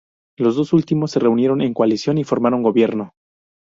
Los dos últimos se unieron en coalición y formaron gobierno.